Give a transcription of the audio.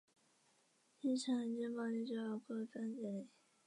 新城劲爆励志儿歌颁奖礼。